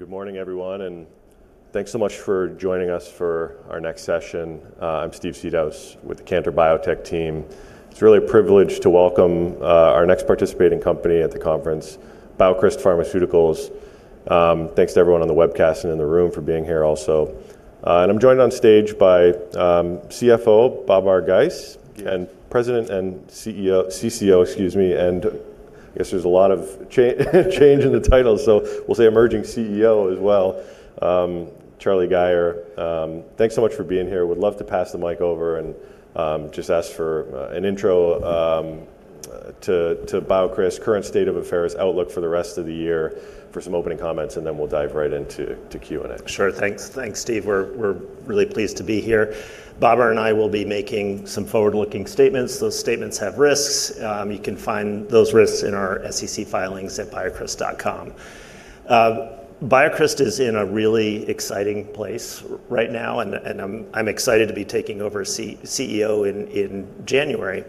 ... Good morning, everyone, and thanks so much for joining us for our next session. I'm Steve Seedhouse with the Cantor Biotech Team. It's really a privilege to welcome our next participating company at the conference, BioCryst Pharmaceuticals. Thanks to everyone on the webcast and in the room for being here also. And I'm joined on stage by CFO Babar Ghias. Yeah... and President and CEO- CCO, excuse me, and I guess there's a lot of change in the titles, so we'll say emerging CEO as well, Charlie Gayer. Thanks so much for being here. Would love to pass the mic over and just ask for an intro to BioCryst, current state of affairs, outlook for the rest of the year, for some opening comments, and then we'll dive right into Q&A. Sure. Thanks, Steve. We're really pleased to be here. Babar and I will be making some forward-looking statements. Those statements have risks. You can find those risks in our SEC filings at biocryst.com. BioCryst is in a really exciting place right now, and I'm excited to be taking over CEO in January,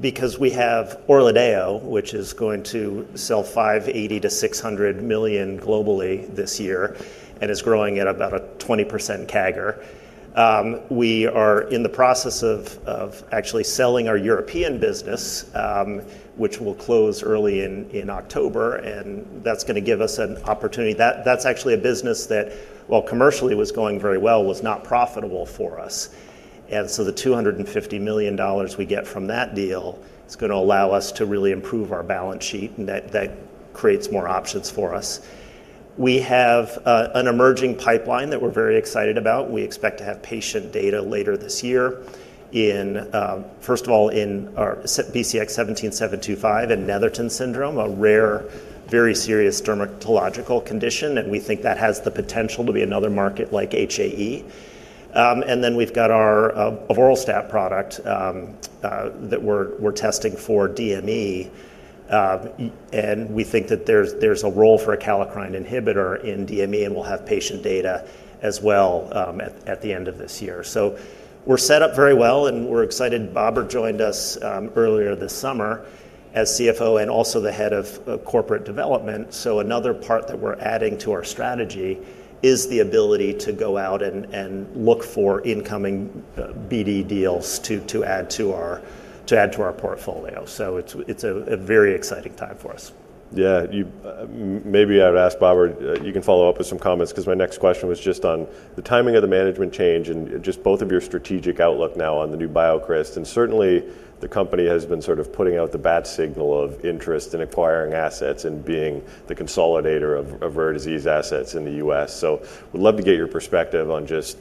because we have ORLADEYO, which is going to sell $580 million-$600 million globally this year and is growing at about a 20% CAGR. We are in the process of actually selling our European business, which will close early in October, and that's gonna give us an opportunity. That's actually a business that, while commercially was going very well, was not profitable for us. And so the $250 million we get from that deal is gonna allow us to really improve our balance sheet, and that creates more options for us. We have an emerging pipeline that we're very excited about. We expect to have patient data later this year in first of all in our BCX7725 in Netherton syndrome, a rare very serious dermatological condition, and we think that has the potential to be another market like HAE. And then we've got our Avoralstat product that we're testing for DME, and we think that there's a role for a kallikrein inhibitor in DME, and we'll have patient data as well at the end of this year. So we're set up very well, and we're excited. Babar joined us earlier this summer as CFO and also the head of corporate development, so another part that we're adding to our strategy is the ability to go out and look for incoming BD deals to add to our portfolio. So it's a very exciting time for us. Yeah, you... Maybe I'd ask Babar, you can follow up with some comments, 'cause my next question was just on the timing of the management change and just both of your strategic outlook now on the new BioCryst. And certainly, the company has been sort of putting out the bat signal of interest in acquiring assets and being the consolidator of rare disease assets in the U.S. So would love to get your perspective on just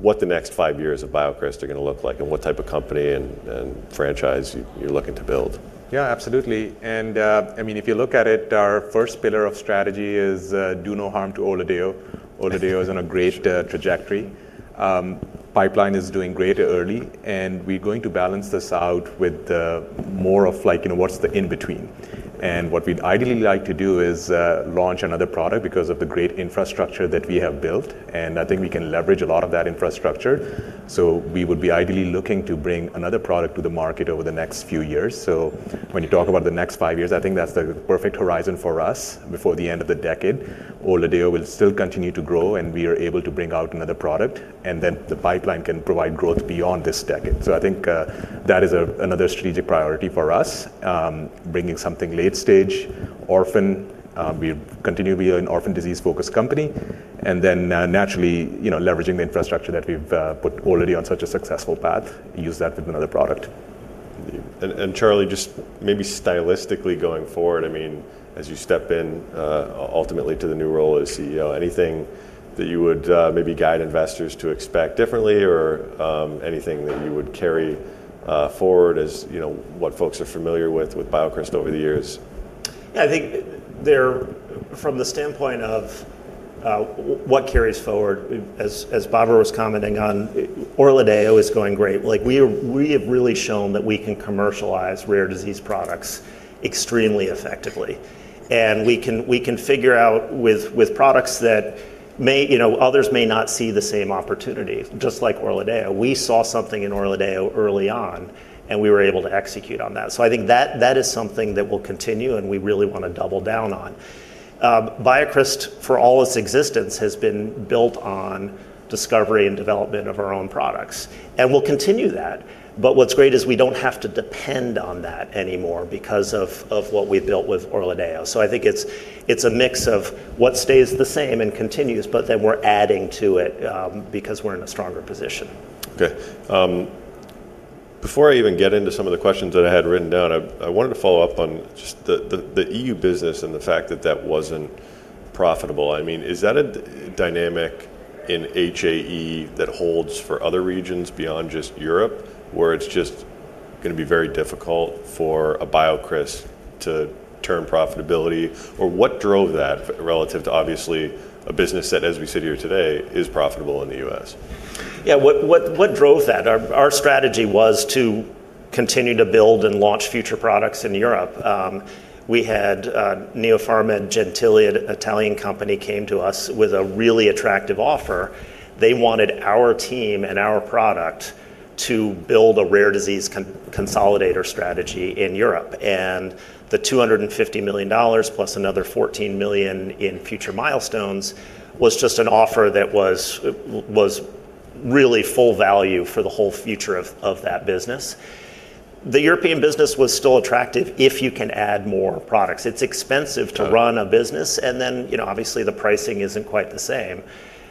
what the next five years of BioCryst are gonna look like, and what type of company and franchise you, you're looking to build. Yeah, absolutely, and I mean, if you look at it, our first pillar of strategy is do no harm to ORLADEYO. ORLADEYO is on a great trajectory. Pipeline is doing great early, and we're going to balance this out with more of, like, you know, what's the in-between, and what we'd ideally like to do is launch another product because of the great infrastructure that we have built, and I think we can leverage a lot of that infrastructure, so we would be ideally looking to bring another product to the market over the next few years, so when you talk about the next five years, I think that's the perfect horizon for us before the end of the decade. ORLADEYO will still continue to grow, and we are able to bring out another product, and then the pipeline can provide growth beyond this decade. So I think that is another strategic priority for us, bringing something late stage, orphan. We continue to be an orphan disease-focused company, and then naturally, you know, leveraging the infrastructure that we've put already on such a successful path, use that with another product. Charlie, just maybe stylistically going forward, I mean, as you step in ultimately to the new role as CEO, anything that you would maybe guide investors to expect differently or anything that you would carry forward as, you know, what folks are familiar with with BioCryst over the years? Yeah, I think there, from the standpoint of what carries forward, as Babar was commenting on, ORLADEYO is going great. Like, we have really shown that we can commercialize rare disease products extremely effectively, and we can figure out with products that may... You know, others may not see the same opportunity. Just like ORLADEYO, we saw something in ORLADEYO early on, and we were able to execute on that. So I think that is something that will continue, and we really want to double down on. BioCryst, for all its existence, has been built on discovery and development of our own products, and we'll continue that. But what's great is we don't have to depend on that anymore because of what we've built with ORLADEYO. So I think it's a mix of what stays the same and continues, but then we're adding to it, because we're in a stronger position. Okay, before I even get into some of the questions that I had written down, I wanted to follow up on just the EU business and the fact that that wasn't profitable. I mean, is that a dynamic in HAE that holds for other regions beyond just Europe, where it's just gonna be very difficult for a BioCryst to turn profitability? Or what drove that relative to, obviously, a business that, as we sit here today, is profitable in the U.S.? Yeah, what drove that? Our strategy was to continue to build and launch future products in Europe. We had Neopharmed Gentili, an Italian company, come to us with a really attractive offer. They wanted our team and our product to build a rare disease consolidator strategy in Europe, and the $250 million plus another $14 million in future milestones was just an offer that was really full value for the whole future of that business. The European business was still attractive if you can add more products. It's expensive-... to run a business, and then, you know, obviously, the pricing isn't quite the same.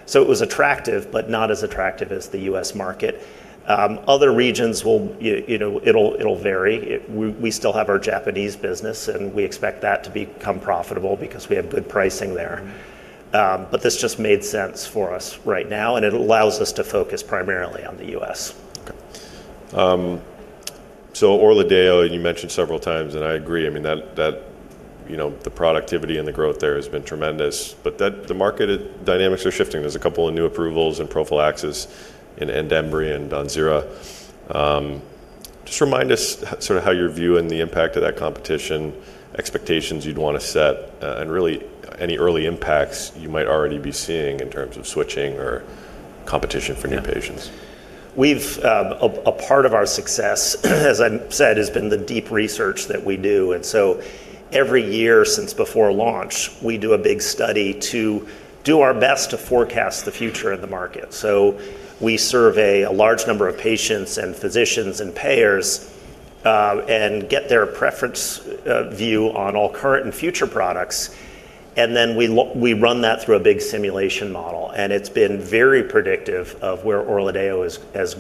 So it was attractive, but not as attractive as the U.S. market. Other regions will, you know, it'll vary. We still have our Japanese business, and we expect that to become profitable because we have good pricing there. But this just made sense for us right now, and it allows us to focus primarily on the U.S. Okay, so ORLADEYO, you mentioned several times, and I agree, I mean, that, that, you know, the productivity and the growth there has been tremendous, but the market dynamics are shifting. There's a couple of new approvals in prophylaxis, in Andembry and Donidalorsen. Just remind us sort of how you're viewing the impact of that competition, expectations you'd wanna set, and really, any early impacts you might already be seeing in terms of switching or competition for new patients. Yeah. We've a part of our success, as I said, has been the deep research that we do, and so every year since before launch, we do a big study to do our best to forecast the future of the market. So we survey a large number of patients, and physicians, and payers, and get their preference view on all current and future products, and then we run that through a big simulation model, and it's been very predictive of where ORLADEYO has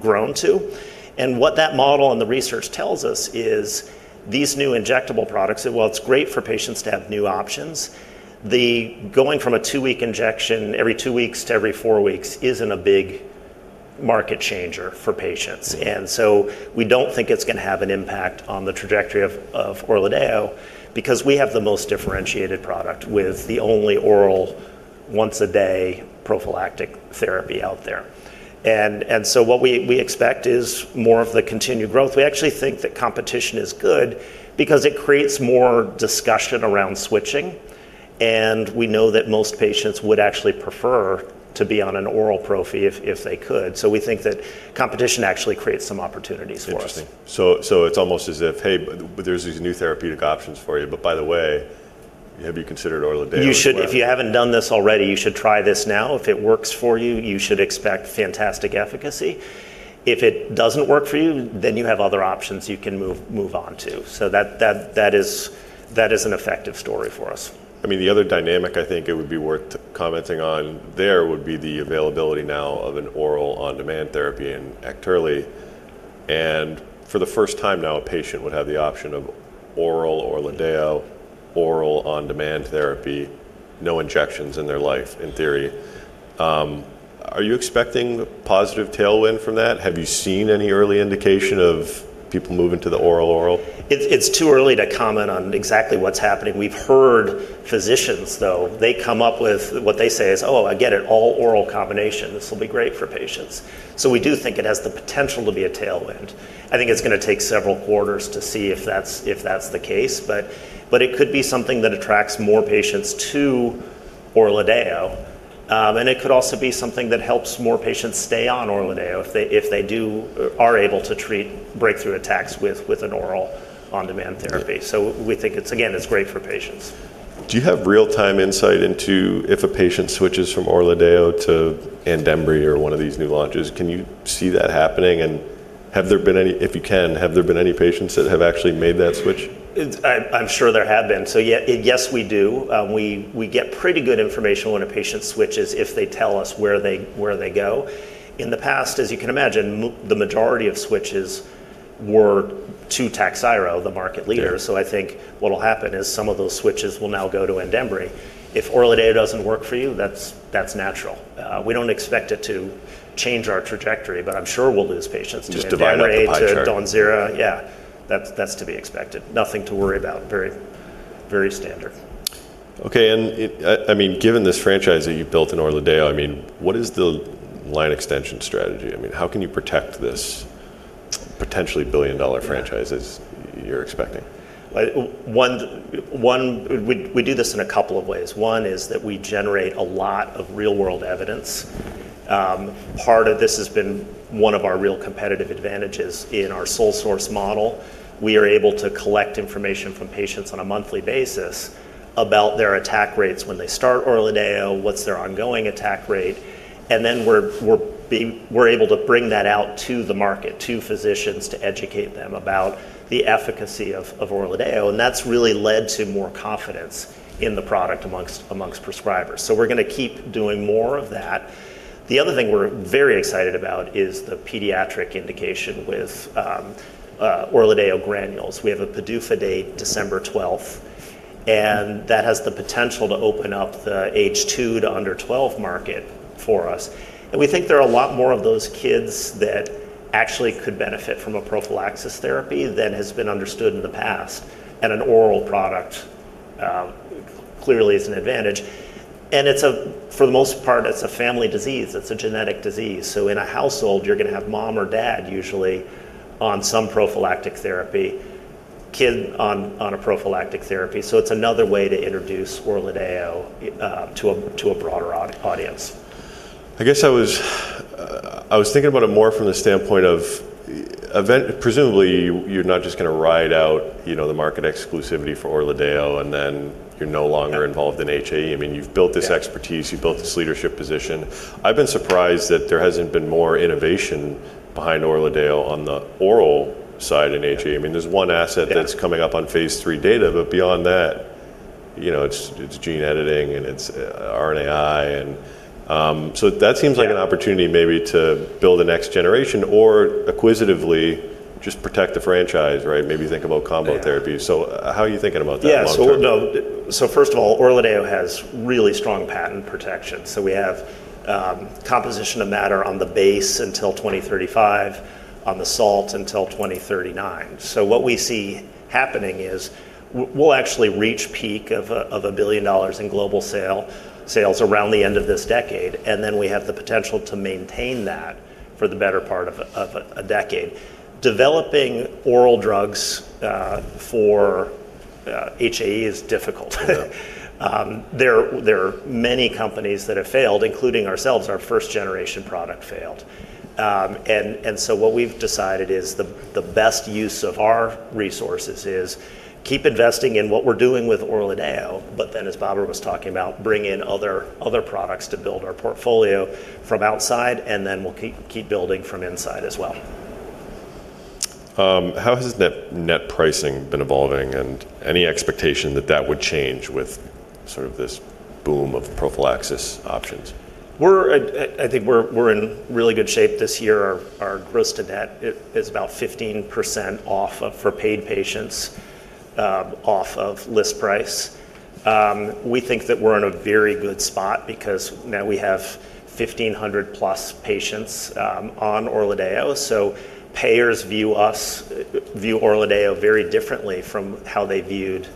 grown to. What that model and the research tells us is, these new injectable products, and while it's great for patients to have new options, the going from a two-week injection every two weeks to every four weeks isn't a big market changer for patients. Mm. We don't think it's gonna have an impact on the trajectory of ORLADEYO, because we have the most differentiated product, with the only oral, once-a-day prophylactic therapy out there. What we expect is more of the continued growth. We actually think that competition is good, because it creates more discussion around switching, and we know that most patients would actually prefer to be on an oral prophy if they could. Competition actually creates some opportunities for us. Interesting. So, it's almost as if, "Hey, there's these new therapeutic options for you, but by the way, have you considered ORLADEYO as well? You should, if you haven't done this already, you should try this now. If it works for you, you should expect fantastic efficacy. If it doesn't work for you, then you have other options you can move on to. So that is an effective story for us. I mean, the other dynamic I think it would be worth commenting on there would be the availability now of an oral on-demand therapy in sebetralstat. And for the first time now, a patient would have the option of oral ORLADEYO, oral on-demand therapy, no injections in their life, in theory. Are you expecting a positive tailwind from that? Have you seen any early indication of people moving to the oral-oral? It's too early to comment on exactly what's happening. We've heard physicians, though, they come up with... What they say is, "Oh, again, an all-oral combination. This will be great for patients." So we do think it has the potential to be a tailwind. I think it's gonna take several quarters to see if that's the case, but it could be something that attracts more patients to ORLADEYO. And it could also be something that helps more patients stay on ORLADEYO if they are able to treat breakthrough attacks with an oral on-demand therapy. Yeah. We think it's, again, it's great for patients. Do you have real-time insight into if a patient switches from ORLADEYO to Andembry or one of these new launches? Can you see that happening, and if you can, have there been any patients that have actually made that switch? I, I'm sure there have been. So yes, we do. We get pretty good information when a patient switches, if they tell us where they go. In the past, as you can imagine, the majority of switches were to Takhzyro, the market leader. Yeah. So I think what will happen is some of those switches will now go to Andembry. If ORLADEYO doesn't work for you, that's, that's natural. Uh, we don't expect it to change our trajectory, but I'm sure we'll lose patients from Andembry- Just divide by the pie chart.... to Donidalorsen. Yeah, that's, that's to be expected. Nothing to worry about. Very, very standard. Okay, I mean, given this franchise that you've built in ORLADEYO, I mean, what is the line extension strategy? I mean, how can you protect this potentially billion-dollar franchise? Yeah... as you're expecting? We do this in a couple of ways. One is that we generate a lot of real-world evidence. Part of this has been one of our real competitive advantages in our sole source model. We are able to collect information from patients on a monthly basis about their attack rates when they start ORLADEYO, what's their ongoing attack rate, and then we're able to bring that out to the market, to physicians, to educate them about the efficacy of ORLADEYO, and that's really led to more confidence in the product amongst prescribers. So we're gonna keep doing more of that. The other thing we're very excited about is the pediatric indication with ORLADEYO granules. We have a PDUFA date, December 12th, and that has the potential to open up the age two to under 12 market for us. We think there are a lot more of those kids that actually could benefit from a prophylaxis therapy than has been understood in the past, and an oral product clearly is an advantage. For the most part, it's a family disease, it's a genetic disease, so in a household, you're gonna have mom or dad usually on some prophylactic therapy, kid on a prophylactic therapy, so it's another way to introduce ORLADEYO to a broader audience. I guess I was thinking about it more from the standpoint of presumably you're not just gonna ride out, you know, the market exclusivity for ORLADEYO, and then you're no longer- Yeah -involved in HAE. I mean, you've built this- Yeah expertise, you've built this leadership position. I've been surprised that there hasn't been more innovation behind ORLADEYO on the oral side in HAE. Yeah. I mean, there's one asset- Yeah That's coming up on phase three data, but beyond that, you know, it's gene editing, and it's RNAi. And so that seems like- Yeah An opportunity maybe to build the next generation or acquisitively just protect the franchise, right? Maybe think about combo therapy. Yeah. How are you thinking about that long-term? Yeah, so no, so first of all, ORLADEYO has really strong patent protection. So we have composition of matter on the base until 2035, on the salt until 2039. So what we see happening is we'll actually reach peak of $1 billion in global sales around the end of this decade, and then we have the potential to maintain that for the better part of a decade. Developing oral drugs for HAE is difficult. Yeah. There are many companies that have failed, including ourselves. Our first-generation product failed. And so what we've decided is the best use of our resources is keep investing in what we're doing with ORLADEYO, but then, as Babar was talking about, bring in other products to build our portfolio from outside, and then we'll keep building from inside as well. How has net, net pricing been evolving, and any expectation that that would change with sort of this boom of prophylaxis options? I think we're in really good shape this year. Our gross to net is about 15% off of list price for paid patients. We think that we're in a very good spot because now we have 1,500 plus patients on ORLADEYO, so payers view us view ORLADEYO very differently from how they viewed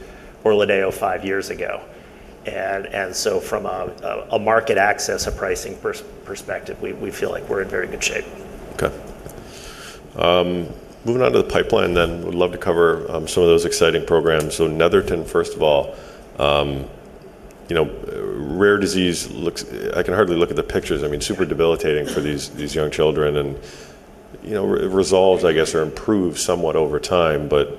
ORLADEYO five years ago. So from a market access and pricing perspective, we feel like we're in very good shape. Okay. Moving on to the pipeline, then would love to cover some of those exciting programs. So Netherton, first of all, you know, rare disease looks... I can hardly look at the pictures. I mean, super debilitating for these young children, and, you know, it resolves, I guess, or improves somewhat over time, but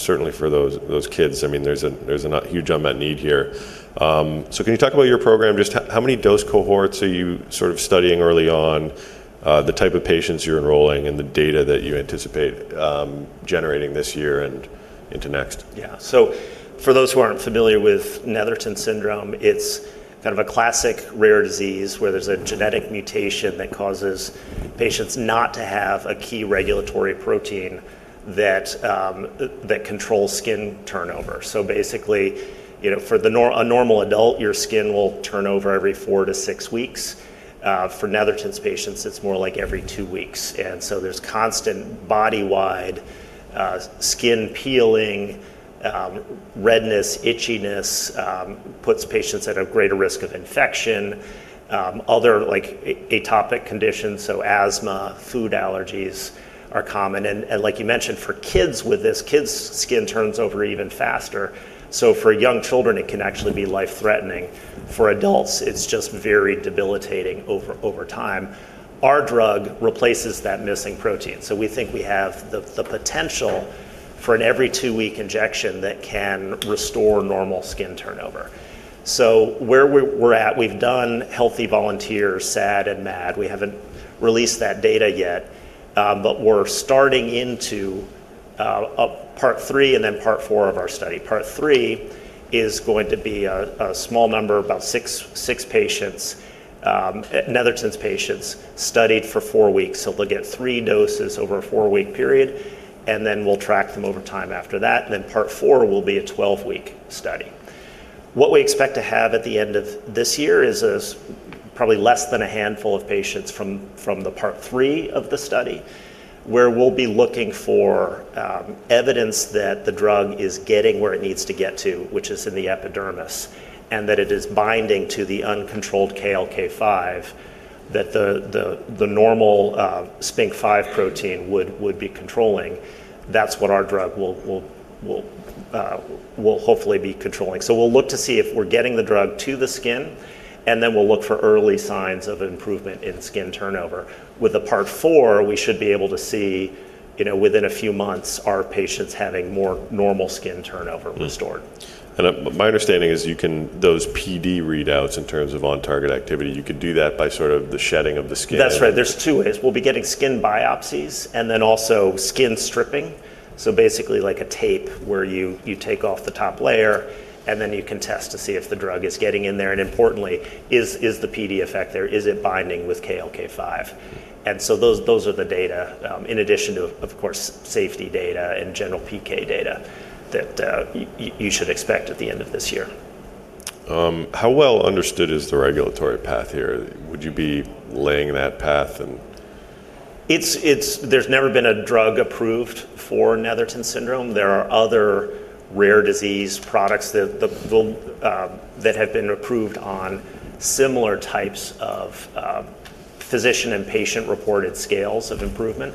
certainly for those kids, I mean, there's a huge unmet need here. So can you talk about your program? Just how many dose cohorts are you sort of studying early on, the type of patients you're enrolling, and the data that you anticipate generating this year and into next? Yeah. So for those who aren't familiar with Netherton syndrome, it's kind of a classic rare disease where there's a genetic mutation that causes patients not to have a key regulatory protein that controls skin turnover. So basically, you know, for a normal adult, your skin will turn over every four to six weeks. For Netherton syndrome patients, it's more like every two weeks, and so there's constant body-wide skin peeling, redness, itchiness, puts patients at a greater risk of infection. Other like atopic conditions, so asthma, food allergies are common, and like you mentioned, for kids with this, kids' skin turns over even faster. So for young children, it can actually be life-threatening. For adults, it's just very debilitating over time. Our drug replaces that missing protein, so we think we have the potential for an every-two-week injection that can restore normal skin turnover. So where we're at, we've done healthy volunteers, SAD and MAD. We haven't released that data yet, but we're starting into part three and then part four of our study. Part three is going to be a small number, about six patients, Netherton patients studied for four weeks. So they'll get three doses over a four-week period, and then we'll track them over time after that. And then part four will be a twelve-week study. What we expect to have at the end of this year is probably less than a handful of patients from the part three of the study, where we'll be looking for evidence that the drug is getting where it needs to get to, which is in the epidermis, and that it is binding to the uncontrolled KLK5, that the normal SPINK5 protein would be controlling. That's what our drug will hopefully be controlling. So we'll look to see if we're getting the drug to the skin, and then we'll look for early signs of improvement in skin turnover. With the part four, we should be able to see, you know, within a few months, are patients having more normal skin turnover restored? And my understanding is you can... Those PD readouts in terms of on-target activity, you can do that by sort of the shedding of the skin. That's right. There's two ways. We'll be getting skin biopsies and then also skin stripping, so basically like a tape where you take off the top layer, and then you can test to see if the drug is getting in there, and importantly, is the PD effect there? Is it binding with KLK5? And so those are the data in addition to, of course, safety data and general PK data that you should expect at the end of this year. How well understood is the regulatory path here? Would you be laying that path and- It's. There's never been a drug approved for Netherton syndrome. There are other rare disease products that have been approved on similar types of physician and patient-reported scales of improvement,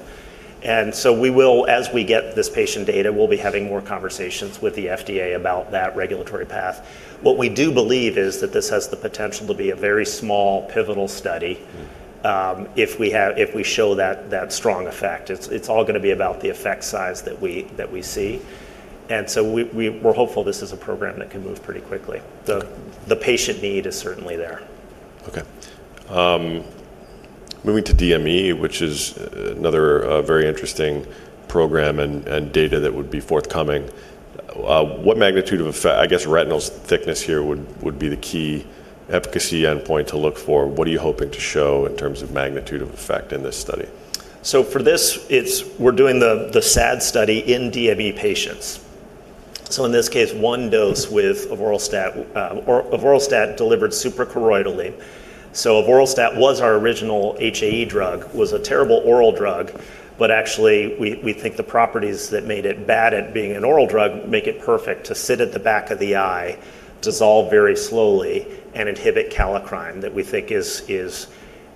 and so we will. As we get this patient data, we'll be having more conversations with the FDA about that regulatory path. What we do believe is that this has the potential to be a very small, pivotal study- Mm... if we have, if we show that strong effect. It's all gonna be about the effect size that we see... and so we're hopeful this is a program that can move pretty quickly. Okay. The patient need is certainly there. Okay. Moving to DME, which is another very interesting program and data that would be forthcoming, what magnitude of effect? I guess retinal thickness here would be the key efficacy endpoint to look for. What are you hoping to show in terms of magnitude of effect in this study? So for this, we're doing the SAD study in DME patients. So in this case, one dose with avoralstat delivered suprachoroidally. So avoralstat was our original HAE drug, was a terrible oral drug, but actually, we think the properties that made it bad at being an oral drug make it perfect to sit at the back of the eye, dissolve very slowly, and inhibit kallikrein that we think is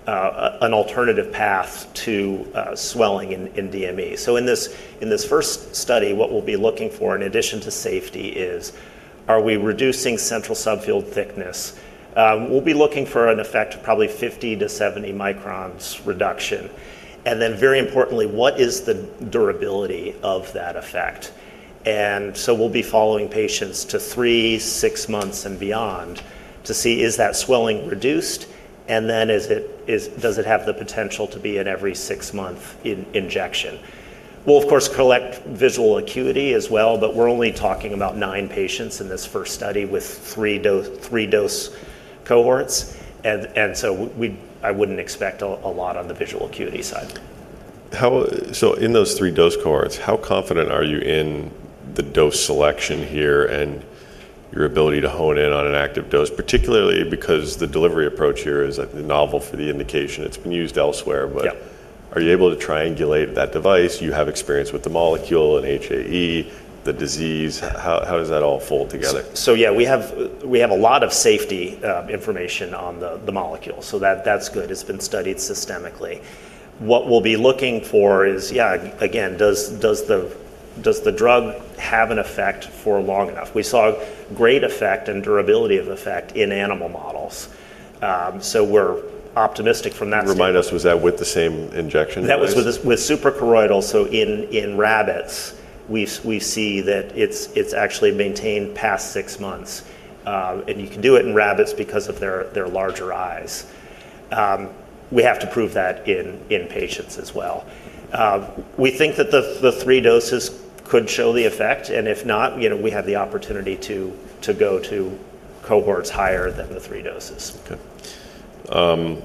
an alternative path to swelling in DME. So in this first study, what we'll be looking for, in addition to safety, is are we reducing central subfield thickness? We'll be looking for an effect of probably 50-70 microns reduction, and then very importantly, what is the durability of that effect? We'll be following patients to three, six months and beyond to see is that swelling reduced, and then is it... does it have the potential to be an every six-month injection? We'll, of course, collect visual acuity as well, but we're only talking about nine patients in this first study with three dose cohorts. We wouldn't expect a lot on the visual acuity side. So in those three dose cohorts, how confident are you in the dose selection here and your ability to hone in on an active dose, particularly because the delivery approach here is, like, novel for the indication? It's been used elsewhere, but- Yeah... are you able to triangulate that device? You have experience with the molecule and HAE, the disease. How does that all fold together? Yeah, we have a lot of safety information on the molecule, so that's good. It's been studied systemically. What we'll be looking for is again, does the drug have an effect for long enough? We saw great effect and durability of effect in animal models. We're optimistic from that standpoint. Remind us, was that with the same injection device? That was with the suprachoroidal, so in rabbits, we see that it's actually maintained past six months. And you can do it in rabbits because of their larger eyes. We have to prove that in patients as well. We think that the three doses could show the effect, and if not, you know, we have the opportunity to go to cohorts higher than the three doses. Okay.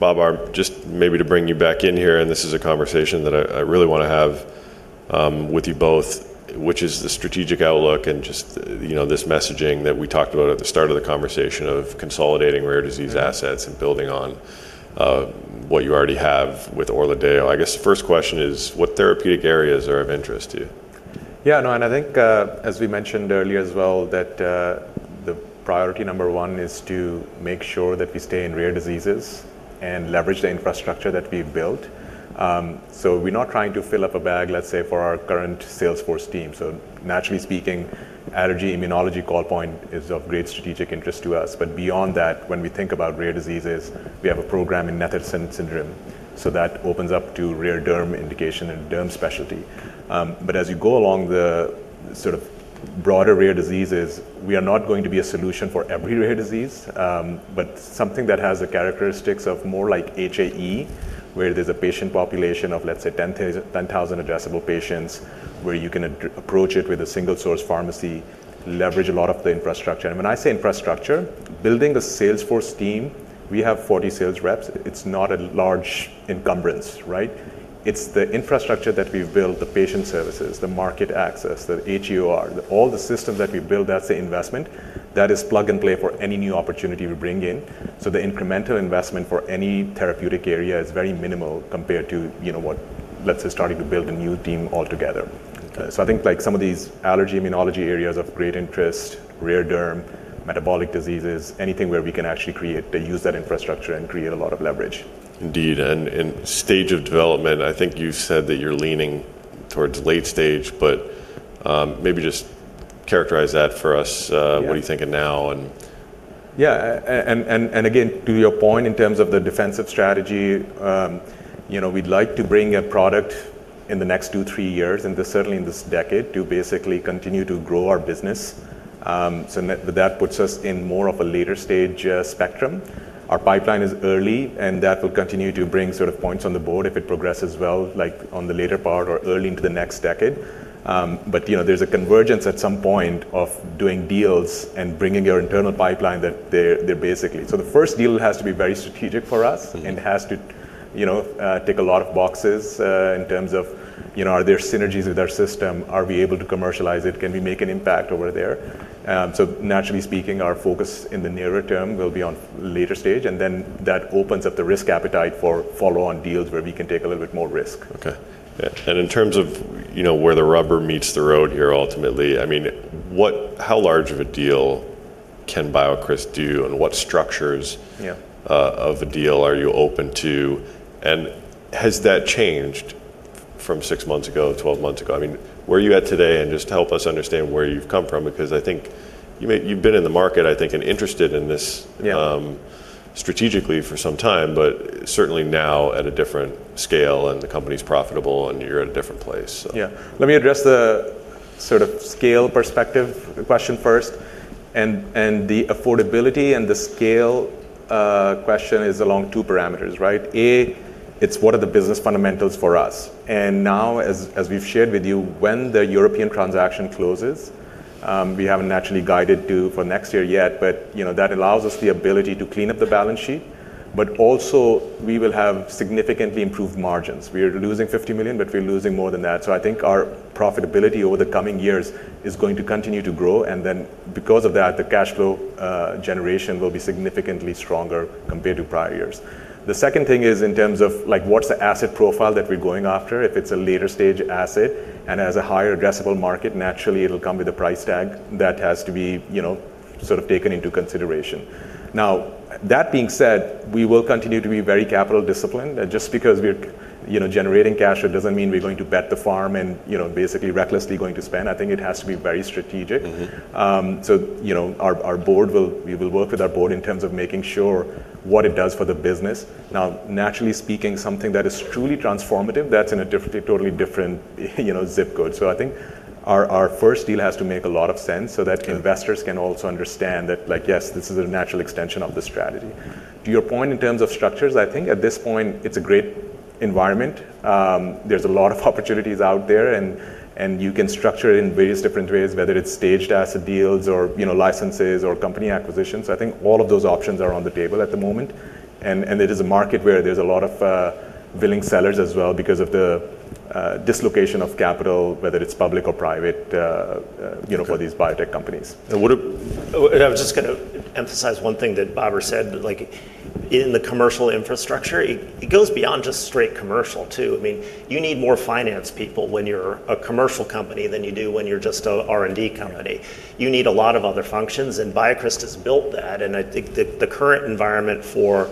Babar, just maybe to bring you back in here, and this is a conversation that I really want to have, with you both, which is the strategic outlook and just, you know, this messaging that we talked about at the start of the conversation of consolidating rare disease assets- Mm-hmm... and building on what you already have with ORLADEYO. I guess the first question is, what therapeutic areas are of interest to you? Yeah, no, and I think, as we mentioned earlier as well, that, the priority number one is to make sure that we stay in rare diseases and leverage the infrastructure that we've built. So we're not trying to fill up a bag, let's say, for our current sales force team. So naturally speaking, allergy, immunology, call point is of great strategic interest to us. But beyond that, when we think about rare diseases, we have a program in Netherton syndrome, so that opens up to rare derm indication and derm specialty. But as you go along the sort of broader rare diseases, we are not going to be a solution for every rare disease, but something that has the characteristics of more like HAE, where there's a patient population of, let's say, 10,000 addressable patients, where you can approach it with a single source pharmacy, leverage a lot of the infrastructure. And when I say infrastructure, building a sales force team, we have 40 sales reps. It's not a large encumbrance, right? It's the infrastructure that we've built, the patient services, the market access, the HEOR, all the systems that we've built, that's the investment. That is plug and play for any new opportunity we bring in. So the incremental investment for any therapeutic area is very minimal compared to, you know, what, let's say, starting to build a new team altogether. Okay. So I think like some of these allergy, immunology areas of great interest, rare derm, metabolic diseases, anything where we can actually create, use that infrastructure and create a lot of leverage. Indeed, and stage of development, I think you've said that you're leaning towards late stage, but maybe just characterize that for us? Yeah. What are you thinking now and...? Yeah, and again, to your point, in terms of the defensive strategy, you know, we'd like to bring a product in the next two, three years, and certainly in this decade, to basically continue to grow our business. So that puts us in more of a later stage spectrum. Our pipeline is early, and that will continue to bring sort of points on the board if it progresses well, like on the later part or early into the next decade. But you know, there's a convergence at some point of doing deals and bringing your internal pipeline that they're basically... So the first deal has to be very strategic for us- Mm-hmm... and has to, you know, tick a lot of boxes, in terms of, you know, are there synergies with our system? Are we able to commercialize it? Can we make an impact over there? So naturally speaking, our focus in the nearer term will be on later stage, and then that opens up the risk appetite for follow-on deals where we can take a little bit more risk. Okay. Yeah, and in terms of, you know, where the rubber meets the road here, ultimately, I mean, what-- how large of a deal can BioCryst do, and what structures- Yeah... of a deal are you open to? And has that changed?... from six months ago, 12 months ago? I mean, where are you at today? And just help us understand where you've come from, because I think you may- you've been in the market, I think, and interested in this- Yeah... strategically for some time, but certainly now at a different scale, and the company's profitable, and you're at a different place, so. Yeah. Let me address the sort of scale perspective question first. And the affordability and the scale question is along two parameters, right? A, it's what are the business fundamentals for us? And now, as we've shared with you, when the European transaction closes, we haven't actually guided to for next year yet, but you know, that allows us the ability to clean up the balance sheet, but also we will have significantly improved margins. We are losing $50 million, but we're losing more than that. So I think our profitability over the coming years is going to continue to grow, and then because of that, the cash flow generation will be significantly stronger compared to prior years. The second thing is in terms of like what's the asset profile that we're going after? If it's a later stage asset and has a higher addressable market, naturally it'll come with a price tag that has to be, you know, sort of taken into consideration. Now, that being said, we will continue to be very capital disciplined. Just because we're, you know, generating cash, it doesn't mean we're going to bet the farm and, you know, basically recklessly going to spend. I think it has to be very strategic. Mm-hmm. So, you know, we will work with our board in terms of making sure what it does for the business. Now, naturally speaking, something that is truly transformative, that's in a totally different, you know, zip code. So I think our first deal has to make a lot of sense- Sure... so that investors can also understand that like, yes, this is a natural extension of the strategy. To your point, in terms of structures, I think at this point it's a great environment. There's a lot of opportunities out there and you can structure it in various different ways, whether it's staged asset deals or, you know, licenses or company acquisitions. I think all of those options are on the table at the moment, and it is a market where there's a lot of willing sellers as well because of the dislocation of capital, whether it's public or private. Sure... you know, for these biotech companies. What are- I was just gonna emphasize one thing that Babar said, like in the commercial infrastructure, it goes beyond just straight commercial, too. I mean, you need more finance people when you're a commercial company than you do when you're just a R&D company. Yeah. You need a lot of other functions, and BioCryst has built that. I think the current environment for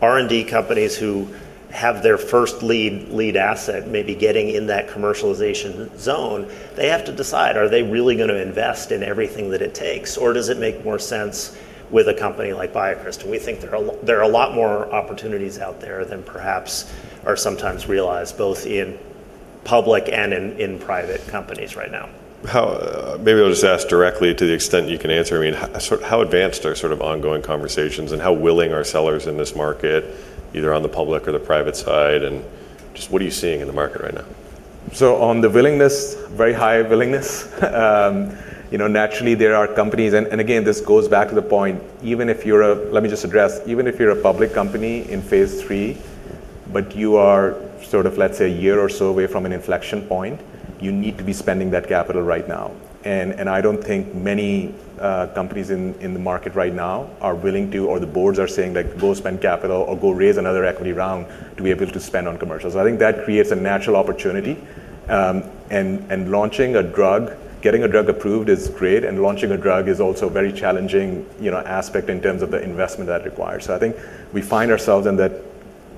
R&D companies who have their first lead asset maybe getting in that commercialization zone, they have to decide, are they really gonna invest in everything that it takes, or does it make more sense with a company like BioCryst? We think there are a lot more opportunities out there than perhaps are sometimes realized, both in public and in private companies right now. Maybe I'll just ask directly to the extent you can answer. I mean, sort of, how advanced are sort of ongoing conversations, and how willing are sellers in this market, either on the public or the private side, and just what are you seeing in the market right now? So on the willingness, very high willingness. You know, naturally there are companies and again, this goes back to the point, even if you're a. Let me just address, even if you're a public company in phase three, but you are sort of, let's say, a year or so away from an inflection point, you need to be spending that capital right now. And I don't think many companies in the market right now are willing to, or the boards are saying, like, "Go spend capital or go raise another equity round to be able to spend on commercials." I think that creates a natural opportunity. And launching a drug, getting a drug approved is great, and launching a drug is also very challenging, you know, aspect in terms of the investment that requires. So I think we find ourselves in that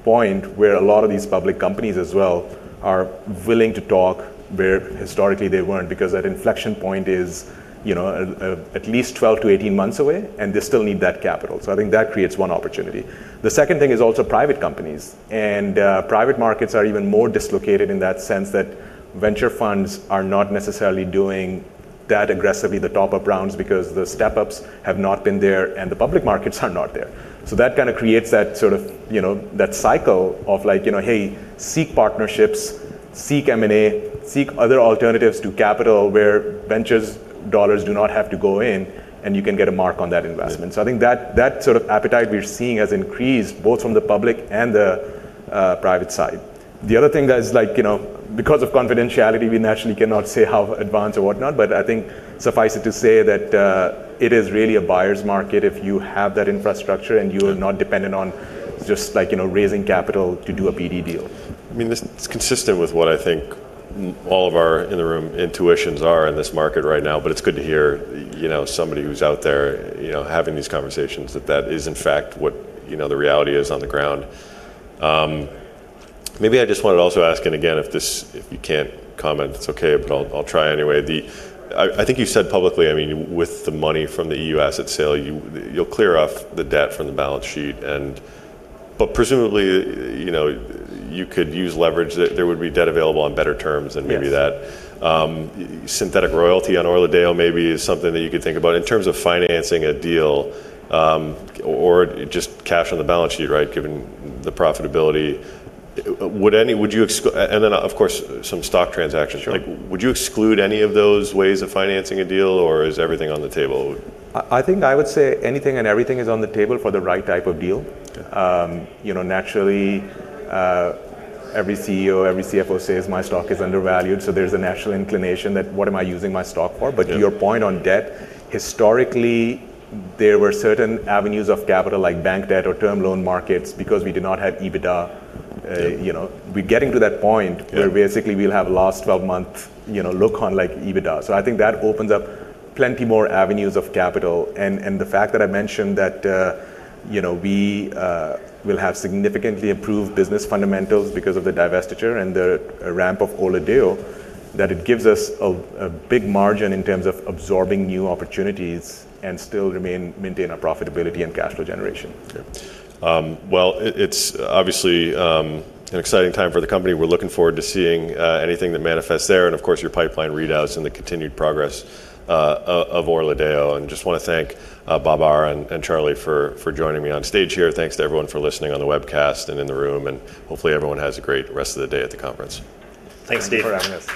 point where a lot of these public companies as well are willing to talk, where historically they weren't, because that inflection point is, you know, at least 12-18 months away, and they still need that capital. So I think that creates one opportunity. The second thing is also private companies. And private markets are even more dislocated in that sense that venture funds are not necessarily doing that aggressively, the top-up rounds, because the step-ups have not been there and the public markets are not there. So that kind of creates that sort of, you know, that cycle of like, you know, hey, seek partnerships, seek M&A, seek other alternatives to capital, where ventures dollars do not have to go in, and you can get a mark on that investment. Yeah. So I think that sort of appetite we're seeing has increased both from the public and the private side. The other thing that is like, you know, because of confidentiality, we naturally cannot say how advanced or whatnot, but I think suffice it to say that it is really a buyer's market if you have that infrastructure- Sure... and you are not dependent on just like, you know, raising capital to do a BD deal. I mean, this, it's consistent with what I think all of our in-the-room intuitions are in this market right now. But it's good to hear, you know, somebody who's out there, you know, having these conversations, that that is in fact what, you know, the reality is on the ground. Maybe I just wanted to also ask, and again, if this- if you can't comment, it's okay, but I'll try anyway. I think you said publicly, I mean, with the money from the EU asset sale, you, you'll clear off the debt from the balance sheet and... But presumably, you know, you could use leverage, that there would be debt available on better terms than maybe that. Yes. Synthetic royalty on ORLADEYO maybe is something that you could think about in terms of financing a deal, or just cash on the balance sheet, right? Given the profitability. And then, of course, some stock transactions. Sure. Like, would you exclude any of those ways of financing a deal, or is everything on the table? I think I would say anything and everything is on the table for the right type of deal. Okay. You know, naturally, every CEO, every CFO says, "My stock is undervalued," so there's a natural inclination that, what am I using my stock for? Yeah. But to your point on debt, historically, there were certain avenues of capital, like bank debt or term loan markets, because we did not have EBITDA. Yeah. You know, we're getting to that point- Yeah... where basically we'll have last twelve months, you know, look on like EBITDA. So I think that opens up plenty more avenues of capital. And the fact that I mentioned that, you know, we will have significantly improved business fundamentals because of the divestiture and the ramp of ORLADEYO, that it gives us a big margin in terms of absorbing new opportunities and still maintain our profitability and cash flow generation. Okay, well, it's obviously an exciting time for the company. We're looking forward to seeing anything that manifests there and, of course, your pipeline readouts and the continued progress of ORLADEYO. And just wanna thank Babar and Charlie for joining me on stage here. Thanks to everyone for listening on the webcast and in the room, and hopefully everyone has a great rest of the day at the conference. Thanks, Steve. Thank you for having us.